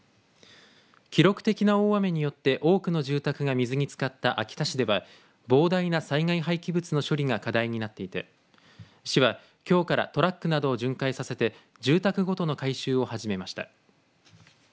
記録的な大雨によって多くの住宅が水につかった秋田市では膨大な災害廃棄物の処理が課題になっていて市は今日からトラックなどを巡回させて住宅ごとの回収を始めました。